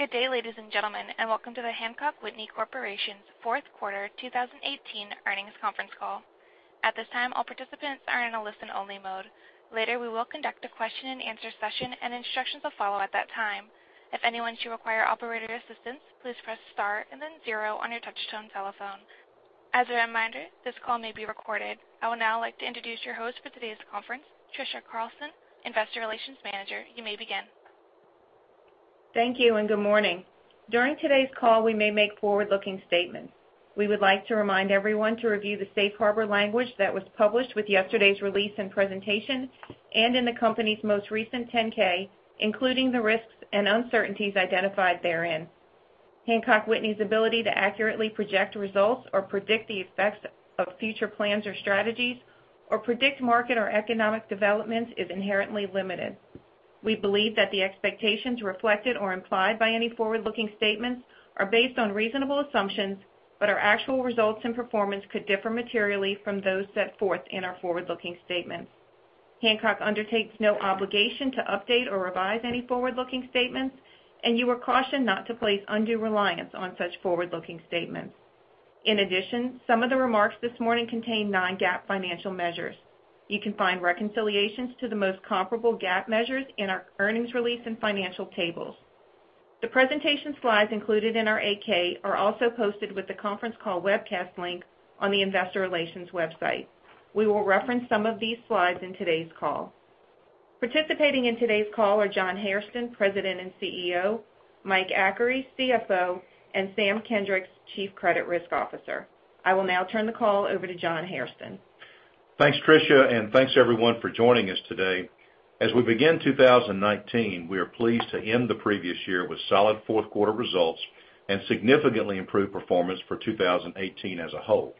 Good day, ladies and gentlemen, and welcome to the Hancock Whitney Corporation's fourth quarter 2018 earnings conference call. At this time, all participants are in a listen-only mode. Later, we will conduct a question-and-answer session, and instructions will follow at that time. If anyone should require operator assistance, please press star and then zero on your touch-tone telephone. As a reminder, this call may be recorded. I would now like to introduce your host for today's conference, Trisha Carlson, Investor Relations Manager. You may begin. Thank you. Good morning. During today's call, we may make forward-looking statements. We would like to remind everyone to review the safe harbor language that was published with yesterday's release and presentation, and in the company's most recent 10-K, including the risks and uncertainties identified therein. Hancock Whitney's ability to accurately project results or predict the effects of future plans or strategies or predict market or economic developments is inherently limited. We believe that the expectations reflected or implied by any forward-looking statements are based on reasonable assumptions. Our actual results and performance could differ materially from those set forth in our forward-looking statements. Hancock undertakes no obligation to update or revise any forward-looking statements. You are cautioned not to place undue reliance on such forward-looking statements. In addition, some of the remarks this morning contain non-GAAP financial measures. You can find reconciliations to the most comparable GAAP measures in our earnings release and financial tables. The presentation slides included in our 8-K are also posted with the conference call webcast link on the Investor Relations website. We will reference some of these slides in today's call. Participating in today's call are John Hairston, President and CEO, Mike Achary, CFO, and Sam Kendricks, Chief Credit Risk Officer. I will now turn the call over to John Hairston. Thanks, Trisha. Thanks, everyone, for joining us today. As we begin 2019, we are pleased to end the previous year with solid fourth-quarter results and significantly improved performance for 2018 as a whole.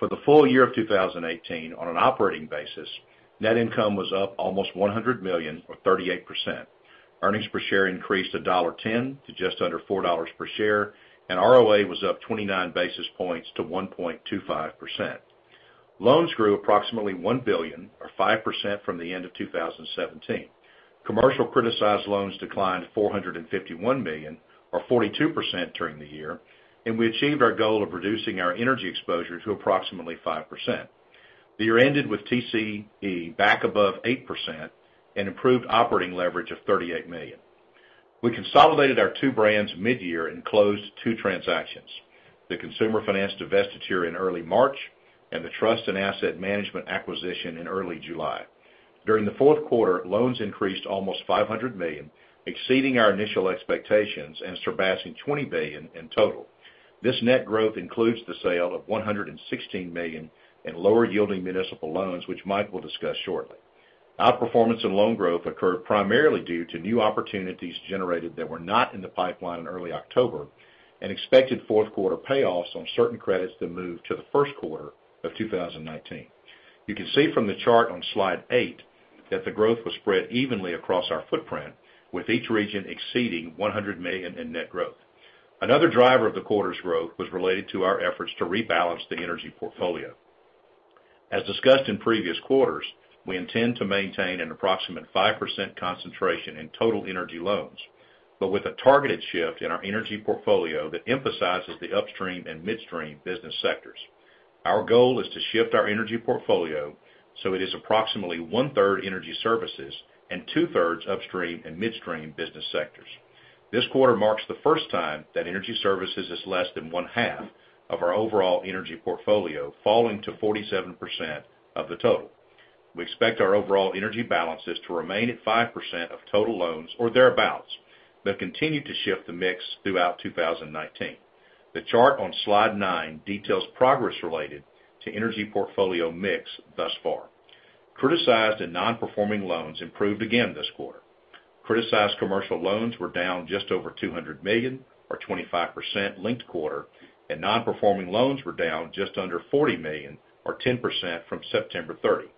For the full year of 2018, on an operating basis, net income was up almost $100 million or 38%. Earnings per share increased $1.10 to just under $4 per share. ROA was up 29 basis points to 1.25%. Loans grew approximately $1 billion or 5% from the end of 2017. Commercial criticized loans declined $451 million or 42% during the year. We achieved our goal of reducing our energy exposure to approximately 5%. The year ended with TCE back above 8% and improved operating leverage of $38 million. We consolidated our two brands mid-year and closed two transactions, the consumer finance divestiture in early March and the trust and asset management acquisition in early July. During the fourth quarter, loans increased almost $500 million, exceeding our initial expectations and surpassing $20 billion in total. This net growth includes the sale of $116 million in lower-yielding municipal loans, which Mike will discuss shortly. Outperformance in loan growth occurred primarily due to new opportunities generated that were not in the pipeline in early October and expected fourth-quarter payoffs on certain credits that moved to the first quarter of 2019. You can see from the chart on slide eight that the growth was spread evenly across our footprint, with each region exceeding $100 million in net growth. Another driver of the quarter's growth was related to our efforts to rebalance the energy portfolio. As discussed in previous quarters, we intend to maintain an approximate 5% concentration in total energy loans, but with a targeted shift in our energy portfolio that emphasizes the upstream and midstream business sectors. Our goal is to shift our energy portfolio so it is approximately one-third energy services and two-thirds upstream and midstream business sectors. This quarter marks the first time that energy services is less than one-half of our overall energy portfolio, falling to 47% of the total. We expect our overall energy balances to remain at 5% of total loans or thereabouts, but continue to shift the mix throughout 2019. The chart on slide nine details progress related to energy portfolio mix thus far. Criticized and non-performing loans improved again this quarter. Criticized commercial loans were down just over $200 million or 25% linked quarter, and non-performing loans were down just under $40 million or 10% from September 30.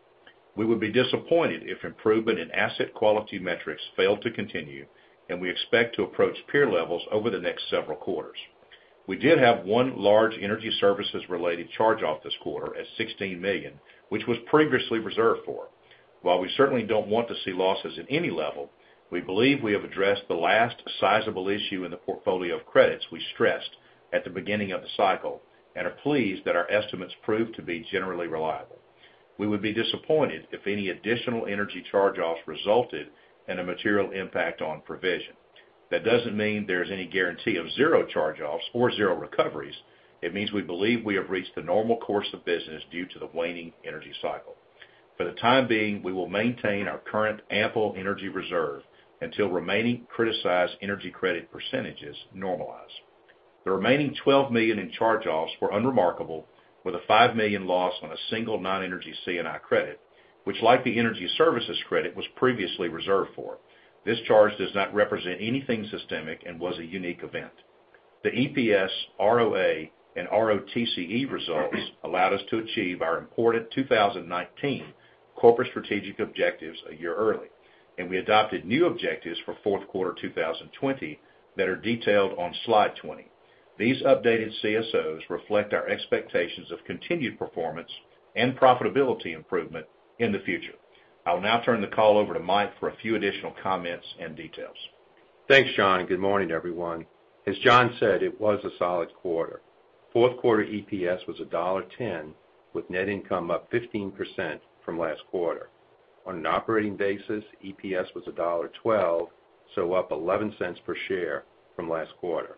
We would be disappointed if improvement in asset quality metrics failed to continue, and we expect to approach peer levels over the next several quarters. We did have one large energy services-related charge-off this quarter at $16 million, which was previously reserved for. While we certainly don't want to see losses at any level, we believe we have addressed the last sizable issue in the portfolio of credits we stressed at the beginning of the cycle and are pleased that our estimates proved to be generally reliable. We would be disappointed if any additional energy charge-offs resulted in a material impact on provision. That doesn't mean there's any guarantee of zero charge-offs or zero recoveries. It means we believe we have reached the normal course of business due to the waning energy cycle. For the time being, we will maintain our current ample energy reserve until remaining criticized energy credit percentages normalize. The remaining $12 million in charge-offs were unremarkable, with a $5 million loss on a single non-energy C&I credit, which like the energy services credit, was previously reserved for. This charge does not represent anything systemic and was a unique event. The EPS, ROA, and ROTCE results allowed us to achieve our important 2019 corporate strategic objectives a year early. We adopted new objectives for fourth quarter 2020 that are detailed on slide 20. These updated CSOs reflect our expectations of continued performance and profitability improvement in the future. I will now turn the call over to Mike for a few additional comments and details. Thanks, John, and good morning, everyone. As John said, it was a solid quarter. Fourth quarter EPS was $1.10, with net income up 15% from last quarter. On an operating basis, EPS was $1.12, up $0.11 per share from last quarter.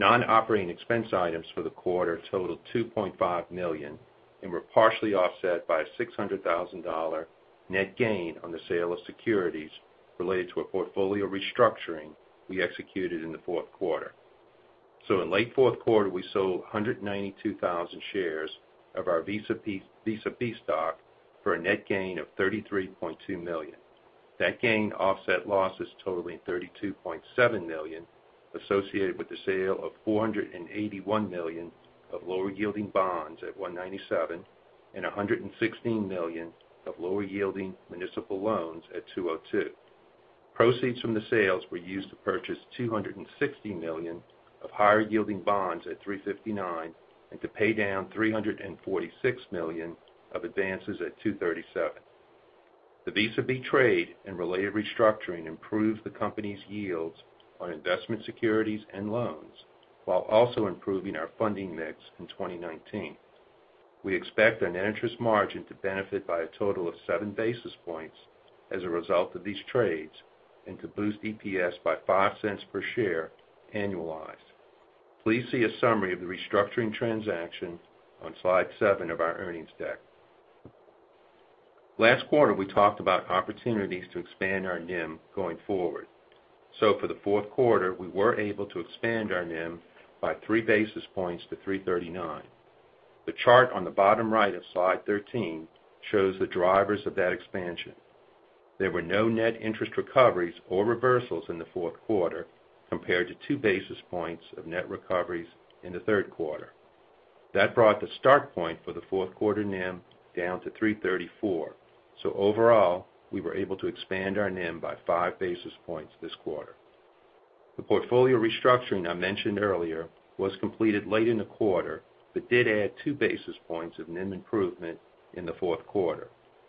Non-operating expense items for the quarter totaled $2.5 million and were partially offset by a $600,000 net gain on the sale of securities related to a portfolio restructuring we executed in the fourth quarter. In late fourth quarter, we sold 192,000 shares of our Visa B stock for a net gain of $33.2 million. That gain offset losses totaling $32.7 million associated with the sale of $481 million of lower-yielding bonds at 197 and $116 million of lower-yielding municipal loans at 2.02%. Proceeds from the sales were used to purchase $260 million of higher-yielding bonds at 3.59% and to pay down $346 million of advances at 2.37%. The Visa B trade and related restructuring improved the company's yields on investment securities and loans while also improving our funding mix in 2019. We expect our net interest margin to benefit by a total of 7 basis points as a result of these trades and to boost EPS by $0.05 per share annualized. Please see a summary of the restructuring transaction on slide seven of our earnings deck. Last quarter, we talked about opportunities to expand our NIM going forward. For the fourth quarter, we were able to expand our NIM by 3 basis points to 3.39%. The chart on the bottom right of slide 13 shows the drivers of that expansion. There were no net interest recoveries or reversals in the fourth quarter compared to 2 basis points of net recoveries in the third quarter. That brought the start point for the fourth quarter NIM down to 3.34%. Overall, we were able to expand our NIM by 5 basis points this quarter. The portfolio restructuring I mentioned earlier was completed late in the quarter but did add 2 basis points of NIM improvement in the fourth quarter,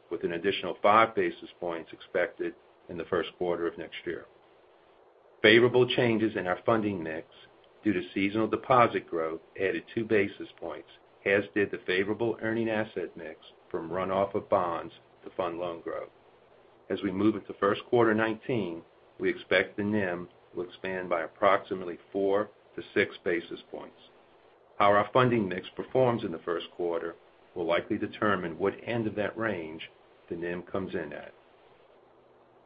with an additional 5 basis points expected in the first quarter of next year. Favorable changes in our funding mix due to seasonal deposit growth added 2 basis points, as did the favorable earning asset mix from runoff of bonds to fund loan growth. As we move into first quarter 2019, we expect the NIM will expand by approximately 4-6 basis points. How our funding mix performs in the first quarter will likely determine what end of that range the NIM comes in at.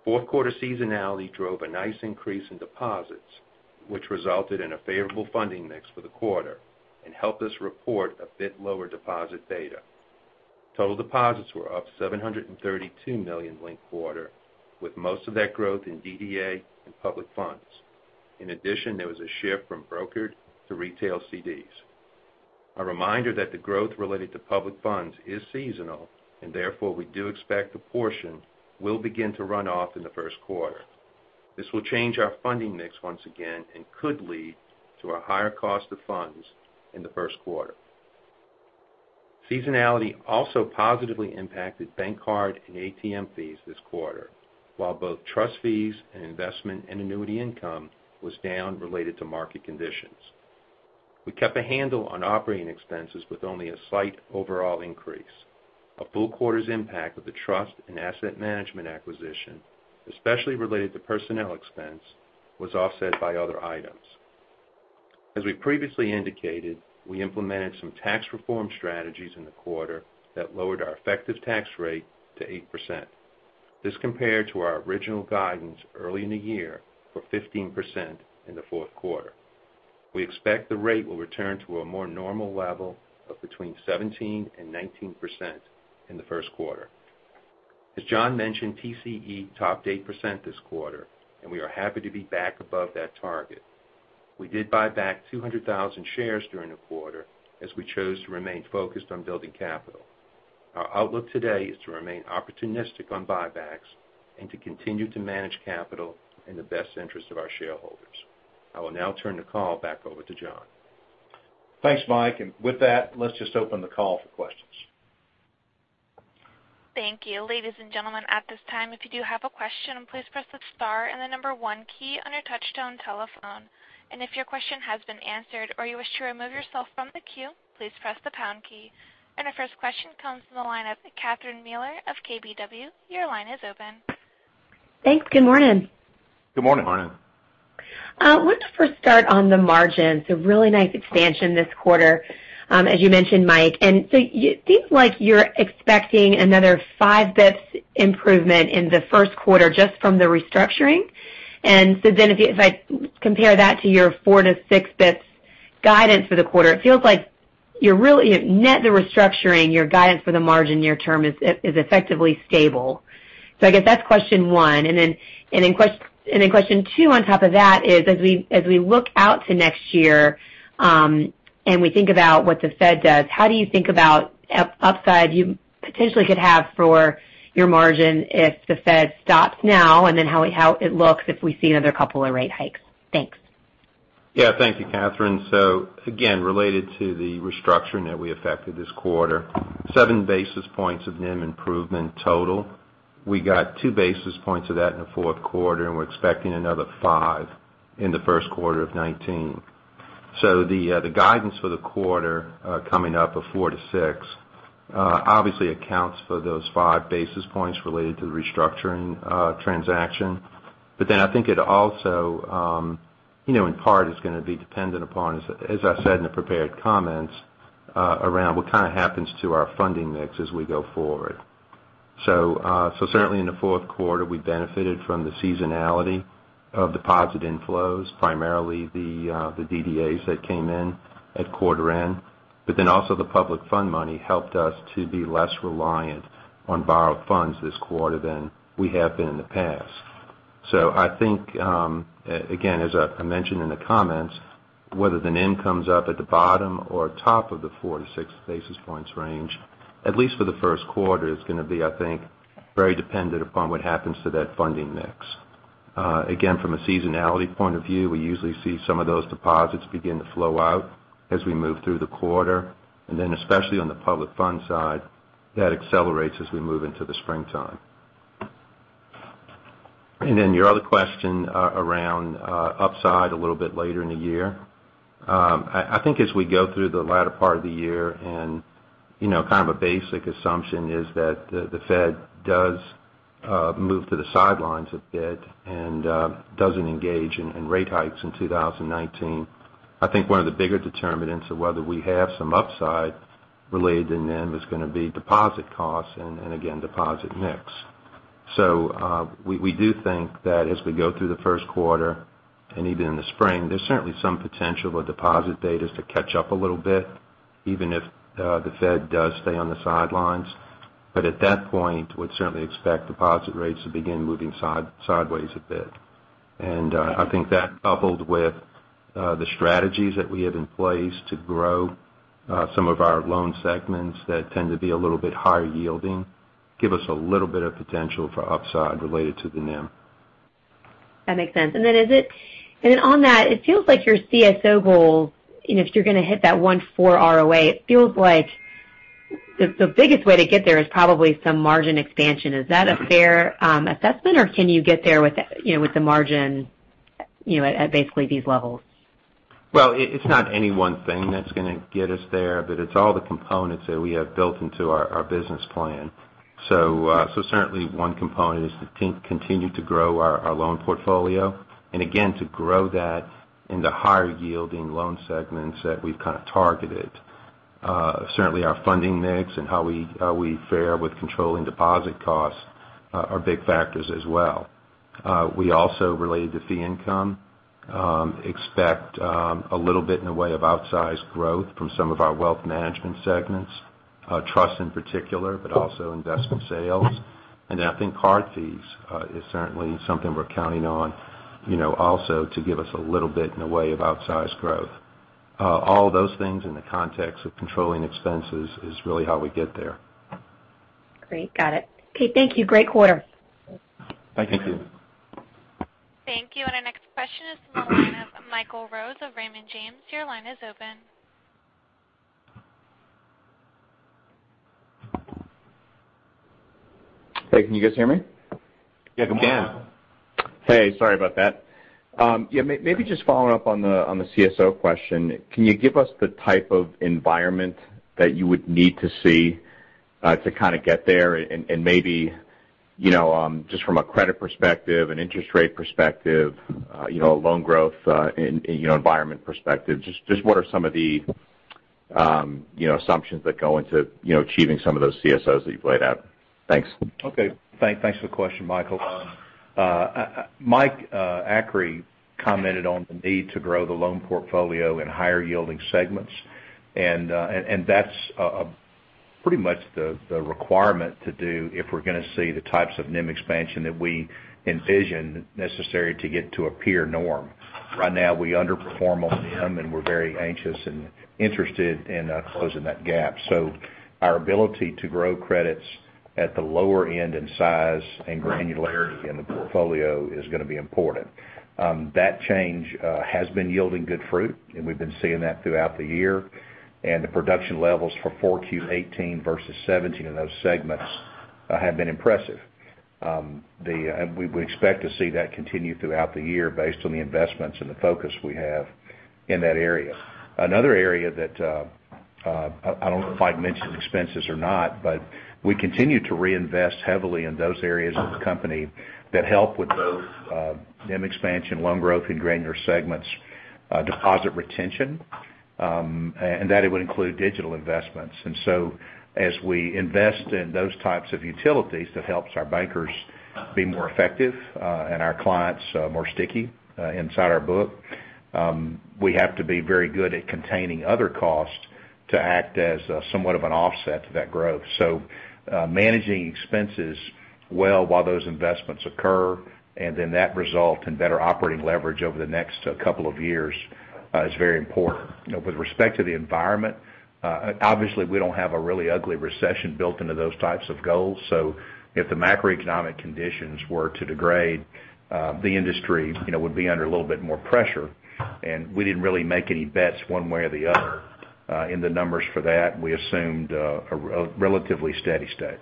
Fourth quarter seasonality drove a nice increase in deposits, which resulted in a favorable funding mix for the quarter and helped us report a bit lower deposit beta. Total deposits were up $732 million linked quarter, with most of that growth in DDA and public funds. In addition, there was a shift from brokered to retail CDs. A reminder that the growth related to public funds is seasonal and therefore, we do expect a portion will begin to run off in the first quarter. This will change our funding mix once again and could lead to a higher cost of funds in the first quarter. Seasonality also positively impacted bank card and ATM fees this quarter, while both trust fees and investment and annuity income was down related to market conditions. We kept a handle on operating expenses with only a slight overall increase. A full quarter's impact of the trust and asset management acquisition, especially related to personnel expense, was offset by other items. As we previously indicated, we implemented some tax reform strategies in the quarter that lowered our effective tax rate to 8%. This compared to our original guidance early in the year for 15% in the fourth quarter. We expect the rate will return to a more normal level of between 17% and 19% in the first quarter. As John mentioned, TCE topped 8% this quarter, and we are happy to be back above that target. We did buy back 200,000 shares during the quarter as we chose to remain focused on building capital. Our outlook today is to remain opportunistic on buybacks and to continue to manage capital in the best interest of our shareholders. I will now turn the call back over to John. Thanks, Mike, with that, let's just open the call for questions. Thank you. Ladies and gentlemen, at this time, if you do have a question, please press the star and the number one key on your touchtone telephone. If your question has been answered or you wish to remove yourself from the queue, please press the pound key. Our first question comes from the line of Catherine Mealor of KBW. Your line is open. Thanks. Good morning. Good morning. Good morning. I want to first start on the margins, a really nice expansion this quarter, as you mentioned, Mike. It seems like you're expecting another 5 basis points improvement in the first quarter just from the restructuring. If I compare that to your 4-6 basis points guidance for the quarter, it feels like net the restructuring, your guidance for the margin near term is effectively stable. I guess that's question one. Question two on top of that is, as we look out to next year, and we think about what the Fed does, how do you think about upside? potentially could have for your margin if the Fed stops now, and then how it looks if we see another couple of rate hikes. Thanks. Yeah. Thank you, Catherine. Again, related to the restructuring that we affected this quarter, 7 basis points of NIM improvement total. We got 2 basis points of that in the fourth quarter, and we're expecting another 5 [basis points] in the first quarter of 2019. The guidance for the quarter coming up of 4-6 [basis points], obviously accounts for those 5 basis points related to the restructuring transaction. I think it also, in part, is going to be dependent upon, as I said in the prepared comments, around what kind of happens to our funding mix as we go forward. Certainly in the fourth quarter, we benefited from the seasonality of deposit inflows, primarily the DDAs that came in at quarter end. Also the public fund money helped us to be less reliant on borrowed funds this quarter than we have been in the past. I think, again, as I mentioned in the comments, whether the NIM comes up at the bottom or top of the 4-6 basis points range, at least for the first quarter, it's going to be, I think, very dependent upon what happens to that funding mix. Again, from a seasonality point of view, we usually see some of those deposits begin to flow out as we move through the quarter. Especially on the public fund side, that accelerates as we move into the springtime. Your other question around upside a little bit later in the year. I think as we go through the latter part of the year, kind of a basic assumption is that the Fed does move to the sidelines a bit and doesn't engage in rate hikes in 2019. I think one of the bigger determinants of whether we have some upside related to NIM is going to be deposit costs and, again, deposit mix. We do think that as we go through the first quarter and even in the spring, there's certainly some potential for deposit betas to catch up a little bit, even if the Fed does stay on the sidelines. At that point, we'd certainly expect deposit rates to begin moving sideways a bit. I think that coupled with the strategies that we have in place to grow some of our loan segments that tend to be a little bit higher yielding, give us a little bit of potential for upside related to the NIM. That makes sense. On that, it feels like your CSO goals, if you're going to hit that 1.4% ROA, it feels like the biggest way to get there is probably some margin expansion. Is that a fair assessment, or can you get there with the margin at basically these levels? It's not any one thing that's going to get us there, but it's all the components that we have built into our business plan. Certainly one component is to continue to grow our loan portfolio, and again, to grow that in the higher-yielding loan segments that we've kind of targeted. Certainly, our funding mix and how we fare with controlling deposit costs are big factors as well. We also, related to fee income, expect a little bit in the way of outsized growth from some of our wealth management segments, trust in particular, but also investment sales. I think card fees is certainly something we're counting on also to give us a little bit in the way of outsized growth. All those things in the context of controlling expenses is really how we get there. Great. Got it. Okay, thank you. Great quarter. Thank you. Thank you. Our next question is from the line of Michael Rose of Raymond James. Your line is open. Hey, can you guys hear me? Yeah. Yeah. Hey, sorry about that. Maybe just following up on the CSO question. Can you give us the type of environment that you would need to see to kind of get there and maybe, just from a credit perspective, an interest rate perspective, a loan growth environment perspective, just what are some of the assumptions that go into achieving some of those CSOs that you've laid out? Thanks. Okay. Thanks for the question, Michael. Mike Achary commented on the need to grow the loan portfolio in higher-yielding segments. That's pretty much the requirement to do if we're going to see the types of NIM expansion that we envision necessary to get to a peer norm. Right now, we underperform on NIM, and we're very anxious and interested in closing that gap. Our ability to grow credits at the lower end in size and granularity in the portfolio is going to be important. That change has been yielding good fruit, and we've been seeing that throughout the year. The production levels for 4Q 2018 versus 2017 in those segments have been impressive. We expect to see that continue throughout the year based on the investments and the focus we have in that area. Another area that, I don't know if I'd mentioned expenses or not, we continue to reinvest heavily in those areas of the company that help with both NIM expansion, loan growth in granular segments, deposit retention, and that it would include digital investments. As we invest in those types of utilities, that helps our bankers be more effective, and our clients more sticky inside our book. We have to be very good at containing other costs to act as somewhat of an offset to that growth. Managing expenses well while those investments occur, and then that result in better operating leverage over the next couple of years is very important. With respect to the environment, obviously we don't have a really ugly recession built into those types of goals. If the macroeconomic conditions were to degrade, the industry would be under a little bit more pressure. We didn't really make any bets one way or the other in the numbers for that. We assumed a relatively steady state.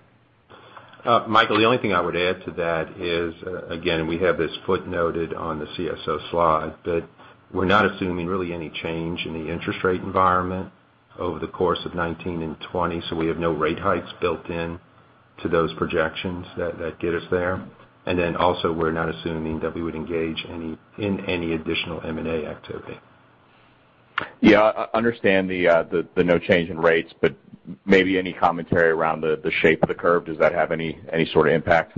Michael, the only thing I would add to that is, again, we have this footnoted on the CSO slide, that we're not assuming really any change in the interest rate environment over the course of 2019 and 2020. We have no rate hikes built into those projections that get us there. We're not assuming that we would engage in any additional M&A activity. Yeah. I understand the no change in rates, maybe any commentary around the shape of the curve. Does that have any sort of impact?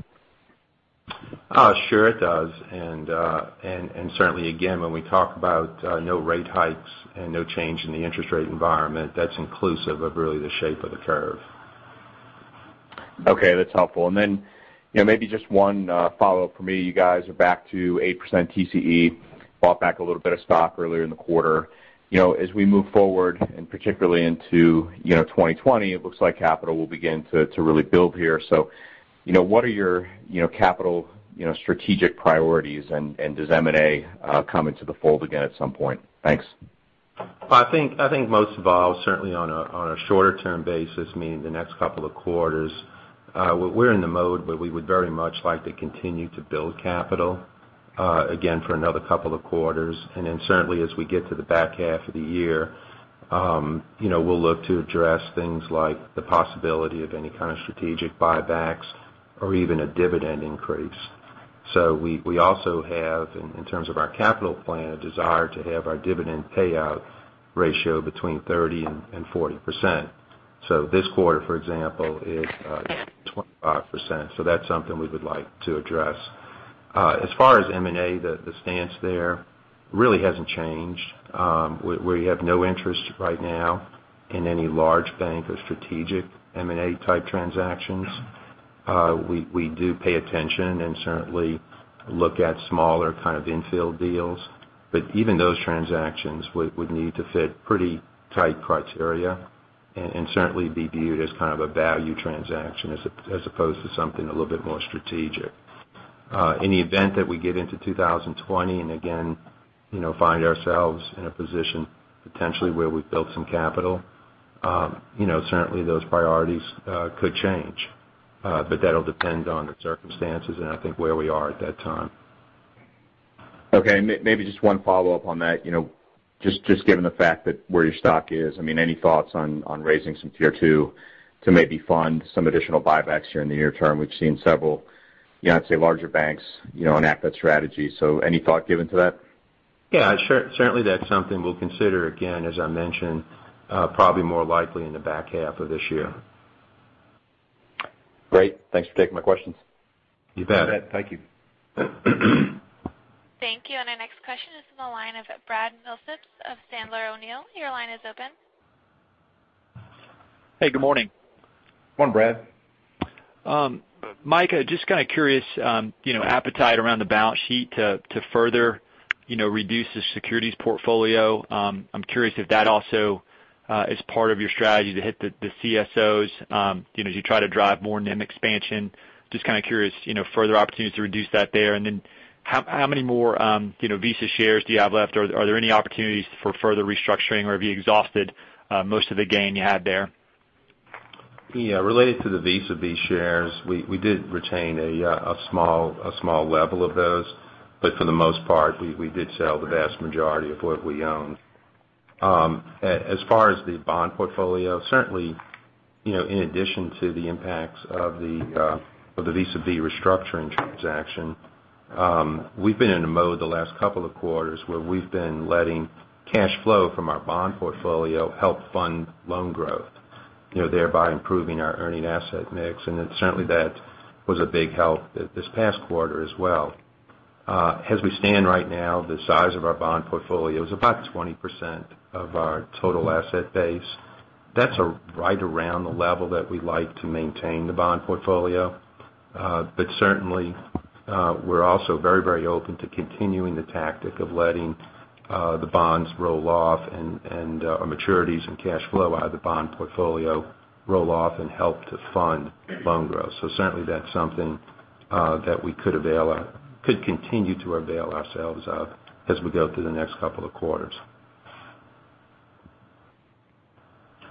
Sure it does. Certainly, again, when we talk about no rate hikes and no change in the interest rate environment, that's inclusive of really the shape of the curve. Okay, that's helpful. Then, maybe just one follow-up from me. You guys are back to 8% TCE, bought back a little bit of stock earlier in the quarter. As we move forward, particularly into 2020, it looks like capital will begin to really build here. What are your capital strategic priorities? And does M&A come into the fold again at some point? Thanks. I think most of all, certainly on a shorter term basis, meaning the next couple of quarters, we're in the mode where we would very much like to continue to build capital, again, for another couple of quarters. Then certainly as we get to the back half of the year, we'll look to address things like the possibility of any kind of strategic buybacks or even a dividend increase. We also have, in terms of our capital plan, a desire to have our dividend payout ratio between 30% and 40%. This quarter, for example, is 25%. That's something we would like to address. As far as M&A, the stance there really hasn't changed. We have no interest right now in any large bank or strategic M&A type transactions. We do pay attention and certainly look at smaller kind of infield deals, even those transactions would need to fit pretty tight criteria and certainly be viewed as kind of a value transaction as opposed to something a little bit more strategic. In the event that we get into 2020, and again, find ourselves in a position potentially where we've built some capital, certainly those priorities could change. That'll depend on the circumstances and I think where we are at that time. Okay. Maybe just one follow-up on that. Just given the fact that where your stock is, any thoughts on raising some Tier 2 to maybe fund some additional buybacks here in the near term? We've seen several, I'd say larger banks, an asset strategy. Any thought given to that? Yeah. Certainly that's something we'll consider. Again, as I mentioned, probably more likely in the back half of this year. Great. Thanks for taking my questions. You bet. Thank you. Thank you. Our next question is from the line of Brad Milsaps of Sandler O'Neill. Your line is open. Hey, good morning. Morning, Brad. Mike, just kind of curious, appetite around the balance sheet to further reduce the securities portfolio. I'm curious if that also is part of your strategy to hit the CSOs as you try to drive more NIM expansion. Just kind of curious, further opportunities to reduce that there. Then how many more Visa shares do you have left? Are there any opportunities for further restructuring? Or have you exhausted most of the gain you had there? Yeah. Related to the Visa B shares, we did retain a small level of those. For the most part, we did sell the vast majority of what we owned. As far as the bond portfolio, certainly, in addition to the impacts of the Visa B restructuring transaction, we've been in a mode the last couple of quarters where we've been letting cash flow from our bond portfolio help fund loan growth, thereby improving our earning asset mix. Certainly that was a big help this past quarter as well. As we stand right now, the size of our bond portfolio is about 20% of our total asset base. That's right around the level that we like to maintain the bond portfolio. Certainly, we're also very open to continuing the tactic of letting the bonds roll off and our maturities and cash flow out of the bond portfolio roll off and help to fund loan growth. Certainly that's something that we could continue to avail ourselves of as we go through the next couple of quarters.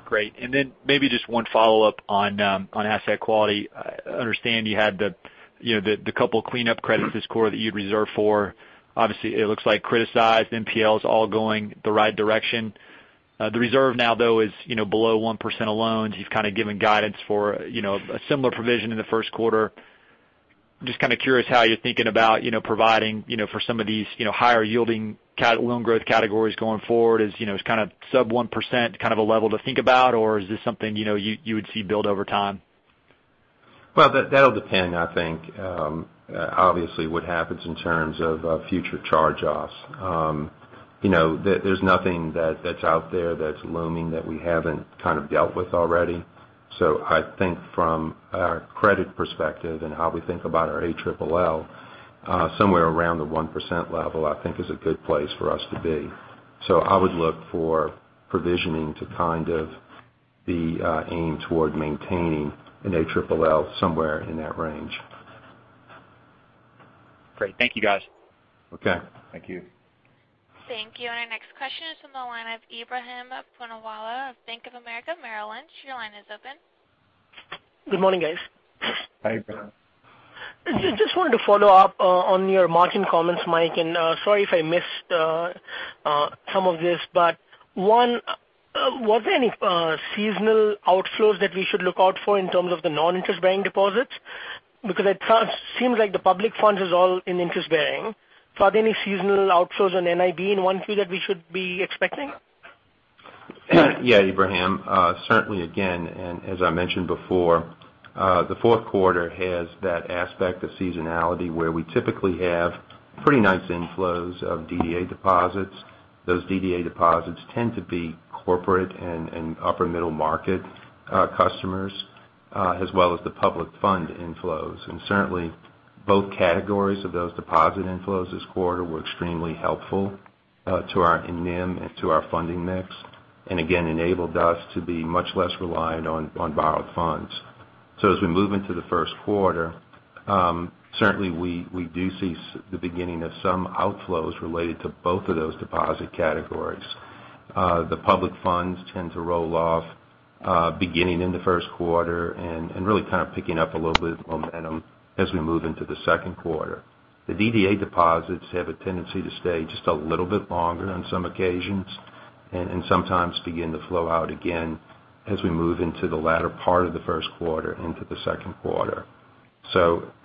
Great. Maybe just one follow-up on asset quality. I understand you had the couple cleanup credits this quarter that you had reserved for. Obviously, it looks like criticized NPLs all going the right direction. The reserve now though is below 1% of loans. You've kind of given guidance for a similar provision in the first quarter. I'm just kind of curious how you're thinking about providing for some of these higher yielding loan growth categories going forward. Is kind of sub 1% kind of a level to think about, or is this something you would see build over time? Well, that'll depend, I think. Obviously, what happens in terms of future charge-offs. There's nothing that's out there that's looming that we haven't kind of dealt with already. I think from a credit perspective and how we think about our ALLL, somewhere around the 1% level, I think is a good place for us to be. I would look for provisioning to kind of be aimed toward maintaining an ALLL somewhere in that range. Great. Thank you, guys. Okay. Thank you. Thank you. Our next question is from the line of Ebrahim Poonawala of Bank of America Merrill Lynch. Your line is open. Good morning, guys. Hi, Ebrahim. Just wanted to follow up on your margin comments, Mike. Sorry if I missed some of this, one, was there any seasonal outflows that we should look out for in terms of the non-interest bearing deposits? Because it seems like the public funds is all in interest bearing. Are there any seasonal outflows on NIB in 1Q that we should be expecting? Yeah, Ebrahim. Certainly, again, as I mentioned before, the fourth quarter has that aspect of seasonality, where we typically have pretty nice inflows of DDA deposits. Those DDA deposits tend to be corporate and upper middle market customers, as well as the public fund inflows. Certainly both categories of those deposit inflows this quarter were extremely helpful to our NIM and to our funding mix. Again, enabled us to be much less reliant on borrowed funds. As we move into the first quarter, certainly we do see the beginning of some outflows related to both of those deposit categories. The public funds tend to roll off, beginning in the first quarter and really kind of picking up a little bit of momentum as we move into the second quarter. The DDA deposits have a tendency to stay just a little bit longer on some occasions, and sometimes begin to flow out again as we move into the latter part of the first quarter into the second quarter.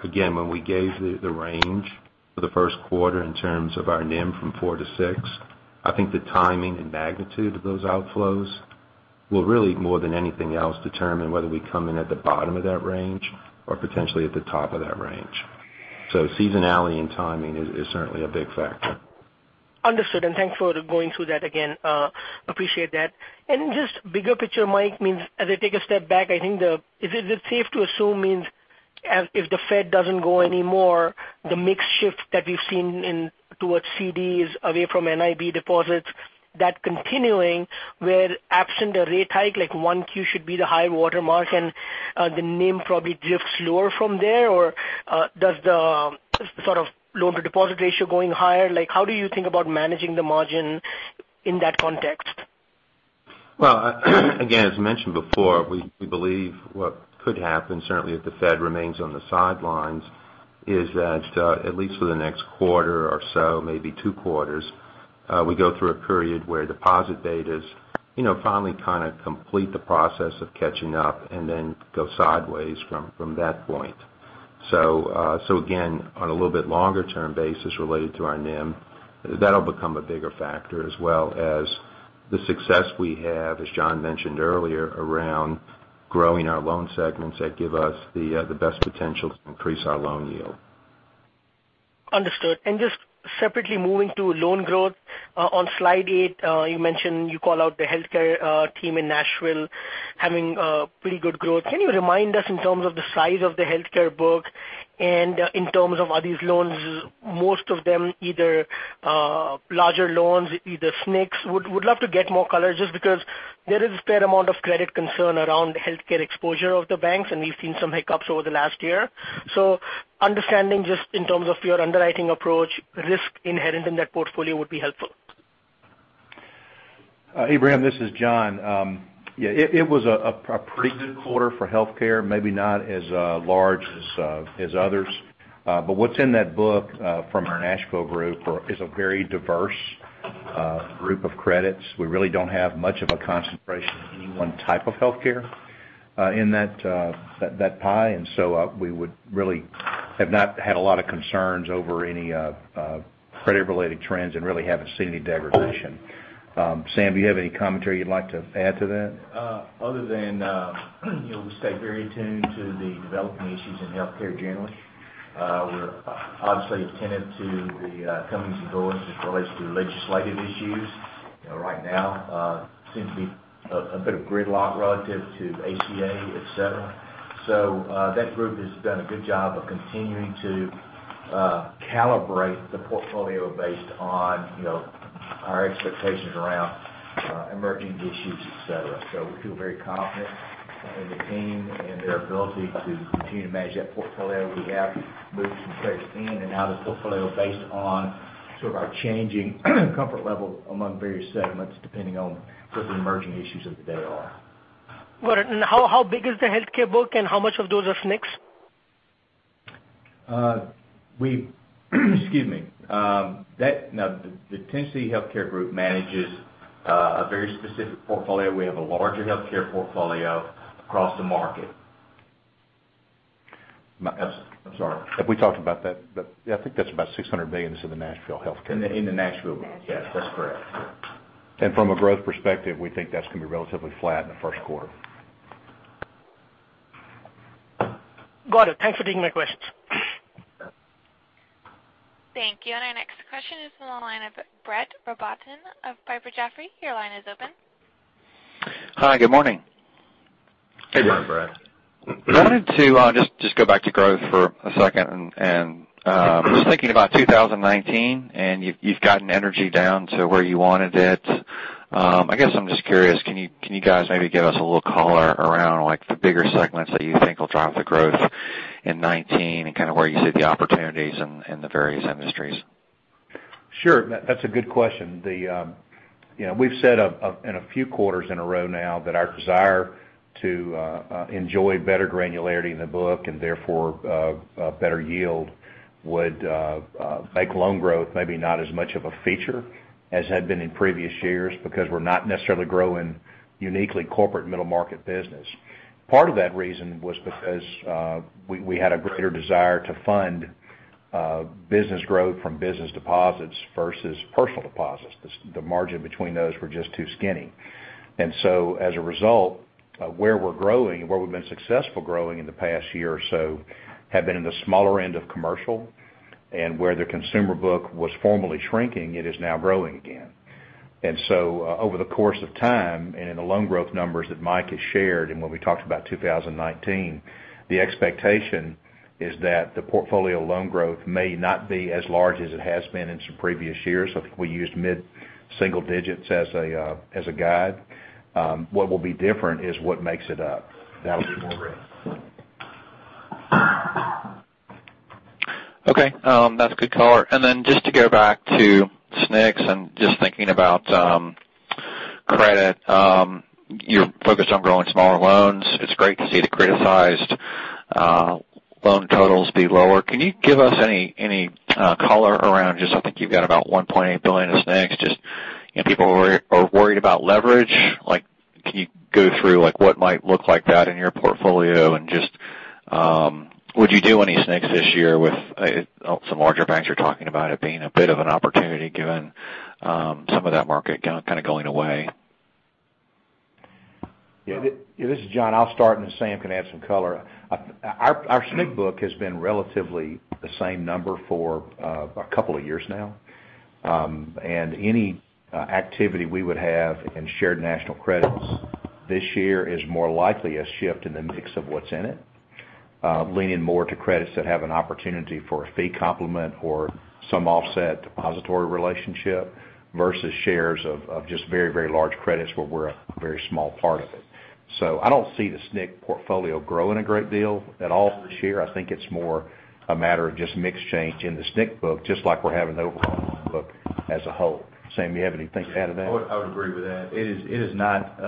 Again, when we gauge the range for the first quarter in terms of our NIM from 4-6 [basis points], I think the timing and magnitude of those outflows will really, more than anything else, determine whether we come in at the bottom of that range or potentially at the top of that range. Seasonality and timing is certainly a big factor. Understood. Thanks for going through that again. Appreciate that. I mean, just bigger picture, Mike, as I take a step back, I think is it safe to assume if the Fed doesn't go anymore, the mix shift that we've seen towards CDs away from NIB deposits, that continuing where absent a rate hike, like 1Q should be the high water mark and the NIM probably drifts lower from there? Or does the sort of loan-to-deposit ratio going higher? How do you think about managing the margin in that context? Well, again, as mentioned before, we believe what could happen certainly if the Fed remains on the sidelines, is that, at least for the next quarter or so, maybe two quarters, we go through a period where deposit betas finally kind of complete the process of catching up and then go sideways from that point. Again, on a little bit longer term basis related to our NIM, that'll become a bigger factor as well as the success we have, as John mentioned earlier, around growing our loan segments that give us the best potential to increase our loan yield. Understood. Just separately moving to loan growth. On slide eight, you mentioned you call out the healthcare team in Nashville having pretty good growth. Can you remind us in terms of the size of the healthcare book and in terms of are these loans, most of them, either larger loans, either SNCs? Would love to get more color just because there is a fair amount of credit concern around healthcare exposure of the banks, and we've seen some hiccups over the last year. Understanding just in terms of your underwriting approach, risk inherent in that portfolio would be helpful. Ebrahim, this is John. It was a pretty good quarter for healthcare. Maybe not as large as others. What's in that book, from our Nashville group is a very diverse group of credits. We really don't have much of a concentration in any one type of healthcare in that pie. We would really have not had a lot of concerns over any credit-related trends and really haven't seen any degradation. Sam, do you have any commentary you'd like to add to that? Other than, we stay very attuned to the developing issues in healthcare generally. We're obviously attentive to the comings and goings as it relates to legislative issues. Right now, seems to be a bit of gridlock relative to ACA, et cetera. That group has done a good job of continuing to calibrate the portfolio based on our expectations around emerging issues, et cetera. We feel very confident in the team and their ability to continue to manage that portfolio. We have moved some credits in and out of the portfolio based on sort of our changing comfort level among various segments, depending on what the emerging issues of the day are. Got it. How big is the healthcare book? And how much of those are SNCs? Excuse me. The Tennessee healthcare group manages a very specific portfolio. We have a larger healthcare portfolio across the market. I'm sorry. Have we talked about that? I think that's about $600 million is in the Nashville healthcare. In the Nashville group. Yes, that's correct. From a growth perspective, we think that's going to be relatively flat in the first quarter. Got it. Thanks for taking my questions. Thank you. Our next question is on the line of Brett Rabatin of Piper Jaffray. Your line is open. Hi, good morning. Good morning, Brett. I wanted to just go back to growth for a second. I was thinking about 2019. You've gotten energy down to where you wanted it. I guess I'm just curious, can you guys maybe give us a little color around the bigger segments that you think will drive the growth in 2019, and where you see the opportunities in the various industries? Sure. That's a good question. We've said in a few quarters in a row now that our desire to enjoy better granularity in the book and therefore, better yield would make loan growth maybe not as much of a feature as had been in previous years, because we're not necessarily growing uniquely corporate middle market business. Part of that reason was because, we had a greater desire to fund business growth from business deposits versus personal deposits. The margin between those were just too skinny. As a result, where we're growing and where we've been successful growing in the past year or so have been in the smaller end of commercial. Where the consumer book was formally shrinking, it is now growing again. Over the course of time, and in the loan growth numbers that Mike has shared and when we talked about 2019, the expectation is that the portfolio loan growth may not be as large as it has been in some previous years. I think we used mid-single-digits as a guide. What will be different is what makes it up. That will be more red. That's good color. Just to go back to SNCs and just thinking about credit. You're focused on growing smaller loans. It's great to see the credit-sized loan totals be lower. Can you give us any color around just, I think you've got about $1.8 billion of SNCs, just, people are worried about leverage. Can you go through what might look like that in your portfolio and just, would you do any SNCs this year with some larger banks are talking about it being a bit of an opportunity given some of that market kind of going away. Yeah. This is John. I'll start, and then Sam can add some color. Our SNC book has been relatively the same number for a couple of years now. Any activity we would have in shared national credits this year is more likely a shift in the mix of what's in it, leaning more to credits that have an opportunity for a fee complement or some offset depository relationship versus shares of just very, very large credits where we're a very small part of it. I don't see the SNC portfolio growing a great deal at all this year. I think it's more a matter of just mix change in the SNC book, just like we're having an overall loan book as a whole. Sam, you have anything to add to that? I would agree with that. It is not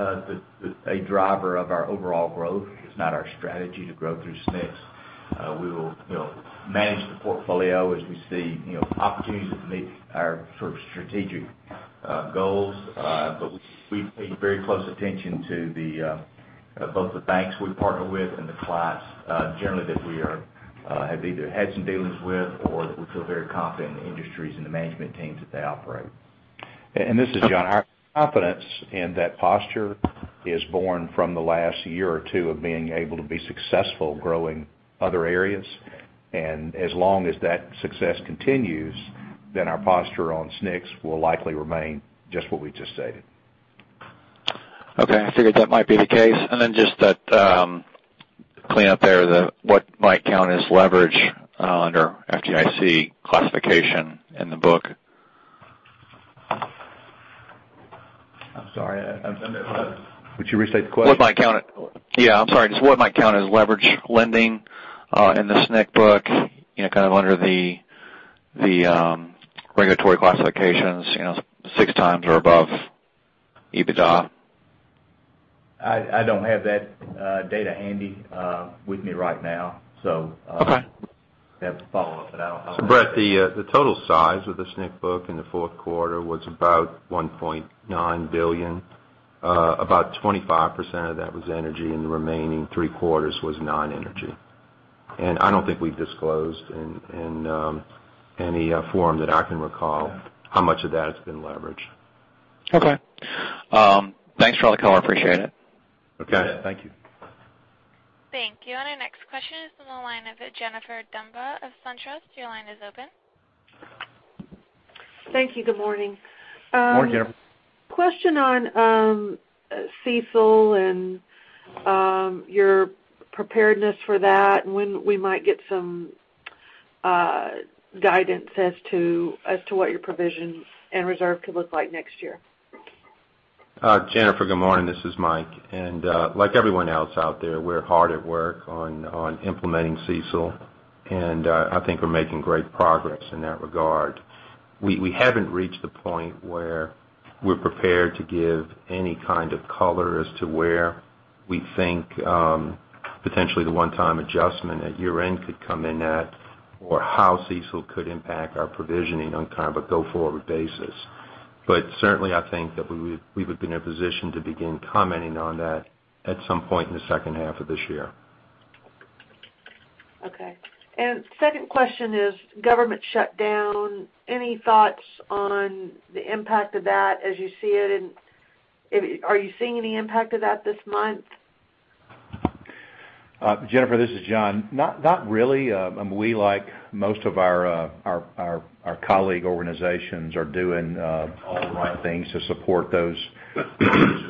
a driver of our overall growth. It's not our strategy to grow through SNCs. We will manage the portfolio as we see opportunities that meet our sort of strategic goals. We pay very close attention to both the banks we partner with and the clients, generally that we have either had some dealings with or that we feel very confident in the industries and the management teams that they operate. This is John. Our confidence in that posture is born from the last year or two of being able to be successful growing other areas. As long as that success continues, our posture on SNCs will likely remain just what we just stated. Okay, I figured that might be the case. Then just that, clean up there, what might count as leverage under FDIC classification in the book? I'm sorry. I didn't? Would you restate the question? Yeah, I'm sorry. Just what might count as leverage lending, in the SNC book, kind of under the regulatory classifications, six times or above EBITDA. I don't have that data handy with me right now. Okay. We'd have to follow up. Brett, the total size of the SNC book in the fourth quarter was about $1.9 billion. About 25% of that was energy, and the remaining three-quarters was non-energy. I don't think we've disclosed in any form that I can recall how much of that has been leveraged. Okay. Thanks for all the color. Appreciate it. Okay. Thank you. Thank you. Our next question is on the line of Jennifer Demba of SunTrust. Your line is open. Thank you. Good morning. Morning. Question on CECL and your preparedness for that and when we might get some guidance as to what your provision and reserve could look like next year. Jennifer, good morning. This is Mike. Like everyone else out there, we're hard at work on implementing CECL. I think we're making great progress in that regard. We haven't reached the point where we're prepared to give any kind of color as to where we think potentially the one-time adjustment at year-end could come in at or how CECL could impact our provisioning on kind of a go-forward basis. Certainly, I think that we would be in a position to begin commenting on that at some point in the second half of this year. Okay. Second question is government shutdown. Any thoughts on the impact of that as you see it, and are you seeing any impact of that this month? Jennifer, this is John. Not really. We, like most of our colleague organizations, are doing all the right things to support those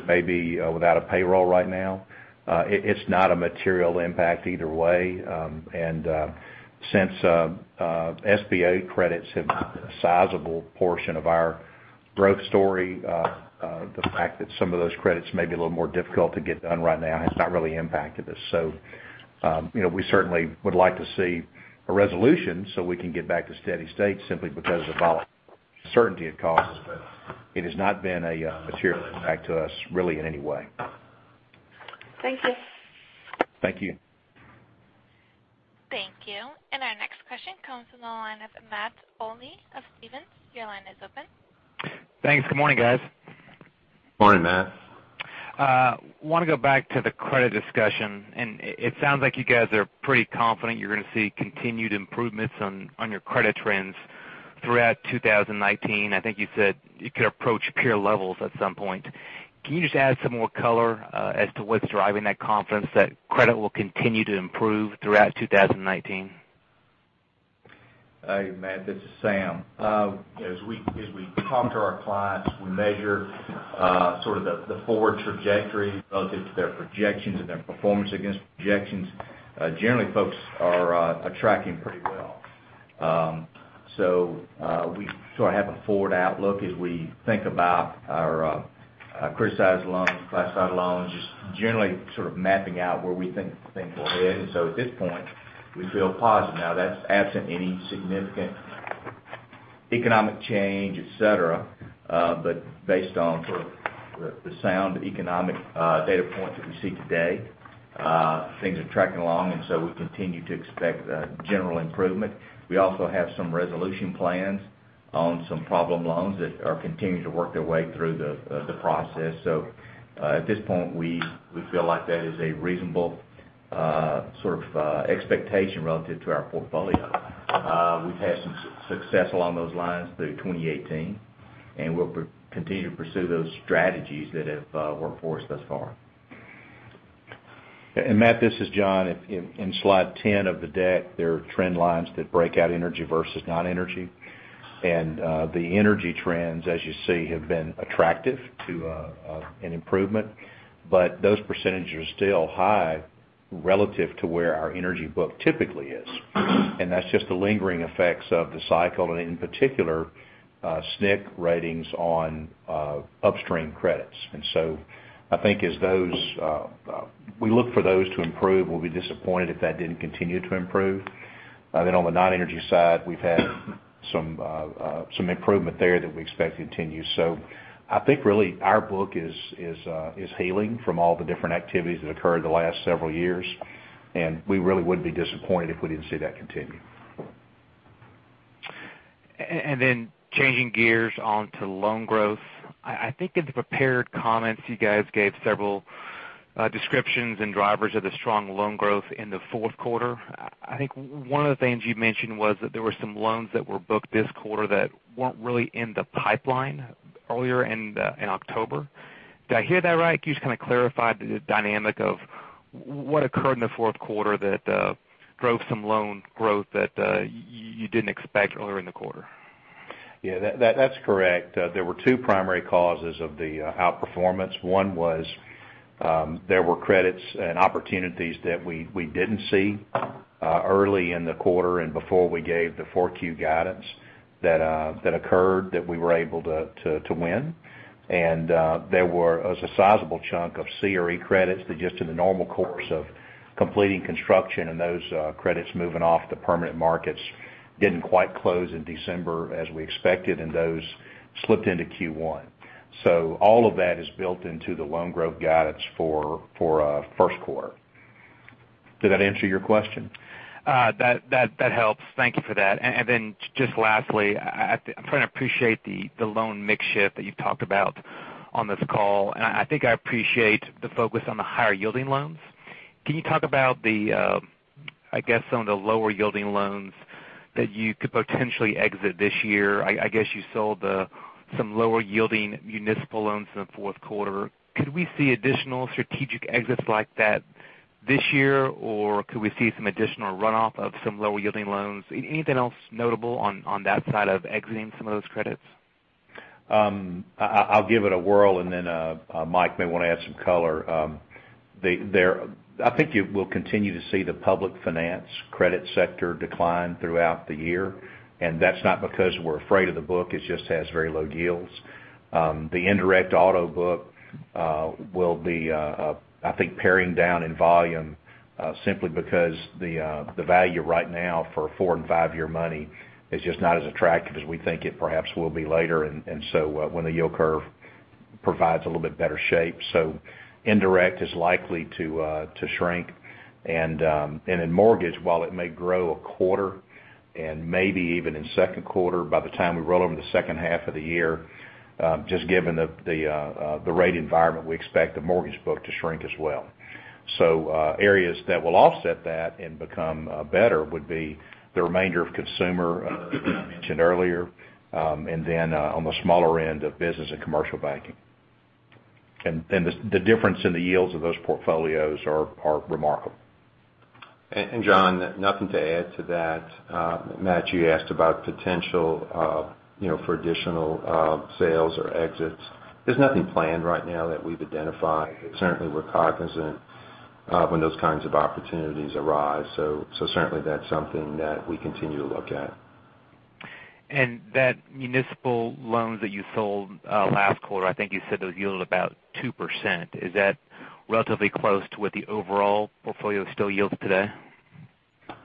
maybe without a payroll right now. It's not a material impact either way. Since SBA credits have been a sizable portion of our growth story, the fact that some of those credits may be a little more difficult to get done right now has not really impacted us. We certainly would like to see a resolution so we can get back to steady state simply because of the volume, certainty it causes, but it has not been a material impact to us, really, in any way. Thank you. Thank you. Thank you. Our next question comes from the line of Matt Olney of Stephens. Your line is open. Thanks. Good morning, guys. Morning, Matt. Want to go back to the credit discussion. It sounds like you guys are pretty confident you're going to see continued improvements on your credit trends throughout 2019. I think you said it could approach peer levels at some point. Can you just add some more color as to what's driving that confidence that credit will continue to improve throughout 2019? Hey, Matt, this is Sam. As we talk to our clients, we measure sort of the forward trajectory relative to their projections and their performance against projections. Generally, folks are tracking pretty well. We sort of have a forward outlook as we think about our criticized loans, classified loans, just generally sort of mapping out where we think things will head. At this point, we feel positive. Now, that's absent any significant economic change, et cetera. Based on sort of the sound economic data points that we see today, things are tracking along. We continue to expect general improvement. We also have some resolution plans on some problem loans that are continuing to work their way through the process. At this point, we feel like that is a reasonable sort of expectation relative to our portfolio. We've had some success along those lines through 2018. We'll continue to pursue those strategies that have worked for us thus far. Matt, this is John. In slide 10 of the deck, there are trend lines that break out energy versus non-energy. The energy trends, as you see, have been attractive to an improvement, but those percentages are still high relative to where our energy book typically is. That's just the lingering effects of the cycle, and in particular, SNC ratings on upstream credits. I think we look for those to improve. We'll be disappointed if that didn't continue to improve. On the non-energy side, we've had some improvement there that we expect to continue. I think really our book is healing from all the different activities that occurred the last several years, and we really would be disappointed if we didn't see that continue. Changing gears onto loan growth. I think in the prepared comments, you guys gave several descriptions and drivers of the strong loan growth in the fourth quarter. I think one of the things you mentioned was that there were some loans that were booked this quarter that weren't really in the pipeline earlier in October. Did I hear that right? Can you just kind of clarify the dynamic of what occurred in the fourth quarter that drove some loan growth that you didn't expect earlier in the quarter? That's correct. There were two primary causes of the outperformance. One was there were credits and opportunities that we didn't see early in the quarter and before we gave the 4Q guidance that occurred that we were able to win. There was a sizable chunk of CRE credits that just in the normal course of completing construction and those credits moving off to permanent markets, didn't quite close in December as we expected, and those slipped into Q1. All of that is built into the loan growth guidance for first quarter. Did that answer your question? That helps. Thank you for that. Just lastly, I'm trying to appreciate the loan mix shift that you've talked about on this call, and I think I appreciate the focus on the higher-yielding loans. Can you talk about the, I guess, some of the lower-yielding loans that you could potentially exit this year? I guess you sold some lower-yielding municipal loans in the fourth quarter. Could we see additional strategic exits like that this year? Or could we see some additional runoff of some lower-yielding loans? Anything else notable on that side of exiting some of those credits? I'll give it a whirl. Mike may want to add some color. I think you will continue to see the public finance credit sector decline throughout the year. That's not because we're afraid of the book, it just has very low yields. The indirect auto book will be, I think, paring down in volume simply because the value right now for four- and five-year money is just not as attractive as we think it perhaps will be later, when the yield curve provides a little bit better shape. Indirect is likely to shrink. In mortgage, while it may grow a quarter and maybe even in second quarter, by the time we roll over the second half of the year, just given the rate environment, we expect the mortgage book to shrink as well. Areas that will offset that and become better would be the remainder of consumer, I mentioned earlier, on the smaller end of business and commercial banking. The difference in the yields of those portfolios are remarkable. John, nothing to add to that. Matt, you asked about potential for additional sales or exits. There's nothing planned right now that we've identified. Certainly, we're cognizant when those kinds of opportunities arise. Certainly, that's something that we continue to look at. That municipal loans that you sold last quarter, I think you said those yield about 2%. Is that relatively close to what the overall portfolio still yields today?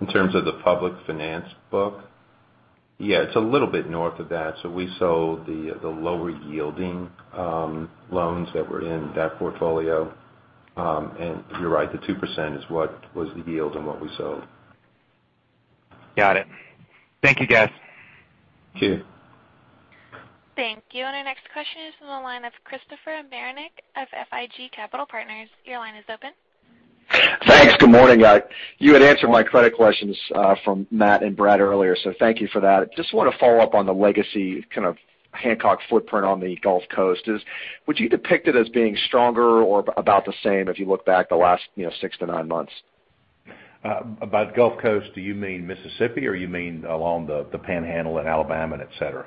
In terms of the public finance book? Yeah, it's a little bit north of that. We sold the lower-yielding loans that were in that portfolio. You're right, the 2% is what was the yield on what we sold. Got it. Thank you, guys. Thank you. Thank you. Our next question is from the line of Christopher Marinac of FIG Capital Partners. Your line is open. Thanks. Good morning. You had answered my credit questions from Matt and Brad earlier, so thank you for that. Just want to follow up on the legacy kind of Hancock footprint on the Gulf Coast. Would you depict it as being stronger or about the same if you look back the last six to nine months? By the Gulf Coast, do you mean Mississippi, or you mean along the Panhandle in Alabama, et cetera?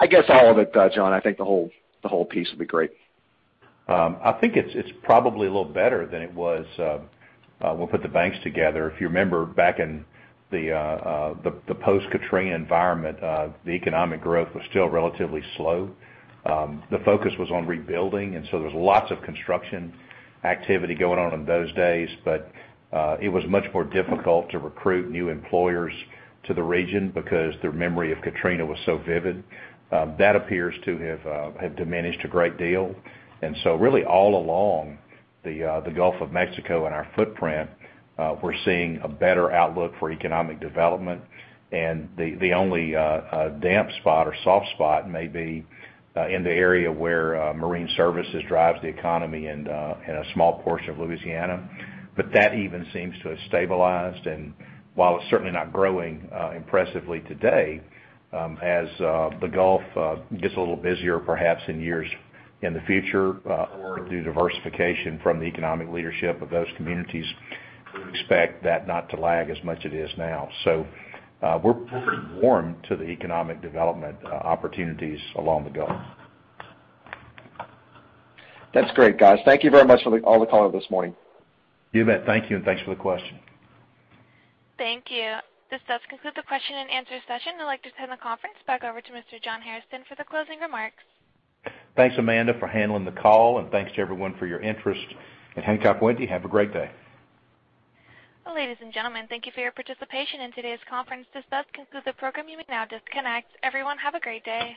I guess all of it, John. I think the whole piece would be great. I think it's probably a little better than it was when put the banks together. If you remember back in the post-Katrina environment, the economic growth was still relatively slow. The focus was on rebuilding, and so there was lots of construction activity going on in those days. It was much more difficult to recruit new employers to the region because their memory of Katrina was so vivid. That appears to have diminished a great deal. Really all along the Gulf of Mexico and our footprint, we're seeing a better outlook for economic development. That even seems to have stabilized. While it's certainly not growing impressively today, as the Gulf gets a little busier perhaps in years in the future or through diversification from the economic leadership of those communities, we expect that not to lag as much it is now. We're warm to the economic development opportunities along the Gulf. That's great, guys. Thank you very much for all the color this morning. You bet. Thank you, and thanks for the question. Thank you. This does conclude the question-and-answer session. I'd like to turn the conference back over to Mr. John Hairston for the closing remarks. Thanks, Amanda, for handling the call, and thanks to everyone for your interest in Hancock Whitney. Have a great day. Ladies and gentlemen, thank you for your participation in today's conference. This does conclude the program. You may now disconnect. Everyone, have a great day.